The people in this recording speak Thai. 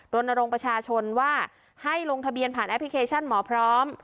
รณรงค์ประชาชนว่าให้ลงทะเบียนผ่านแอปพลิเคชันหมอพร้อม